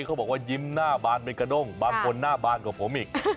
เขาบอกว่ายิ้มหน้าบานเป็นกระด้งบางคนหน้าบานกว่าผมอีก